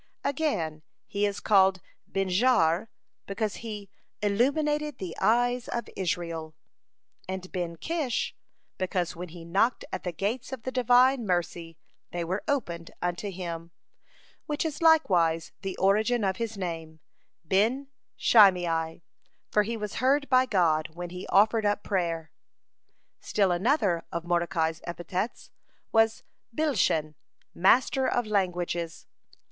Again, he is called Ben Jair, because he "illumined the eyes of Israel"; and Ben Kish, because when he knocked at the gates of the Divine mercy, they were opened unto him, which is likewise the origin of his name Ben Shimei, for he was heard by God when he offered up prayer. (61) Still another of Mordecai's epithets was Bilshan, "master of languages."